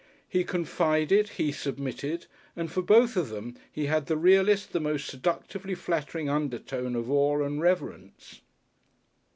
He confided, he submitted, and for both of them he had the realest, the most seductively flattering undertone of awe and reverence.